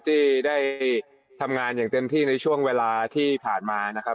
ที่ได้ทำงานอย่างเต็มที่ในช่วงเวลาที่ผ่านมานะครับ